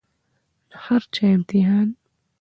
د هر چا امتحان